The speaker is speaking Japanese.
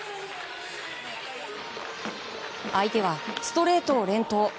相手はストレートを連投。